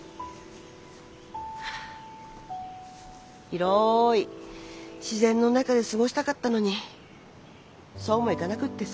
広い自然の中で過ごしたかったのにそうもいかなくってさ。